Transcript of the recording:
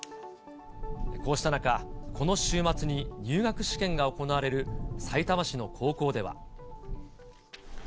こうした中、この週末に入学試験が行われるさいたま市の高校では。